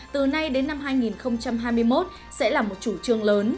từ nay đến năm hai nghìn hai mươi một sẽ là một chủ trường